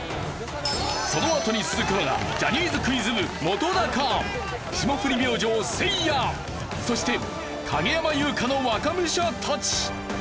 そのあとに続くのがジャニーズクイズ部本霜降り明星せいやそして影山優佳の若武者たち。